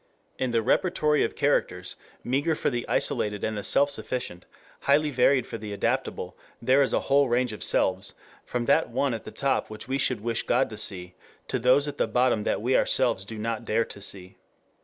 In the repertory of characters, meager for the isolated and the self sufficient, highly varied for the adaptable, there is a whole range of selves, from that one at the top which we should wish God to see, to those at the bottom that we ourselves do not dare to see.